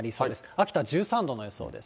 秋田は１３度の予想です。